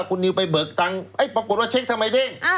คุณนิวไปเบิกตังค์ปรากฏว่าเช็คทำไมเด้ง